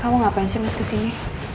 kamu ngapain sih mas kesini